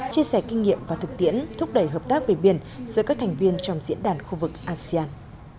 chia sẻ kinh nghiệm và thực tiễn thúc đẩy hợp tác về biển giữa các thành viên trong diễn đàn khu vực asean